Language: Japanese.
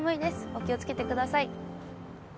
お気をつけてください。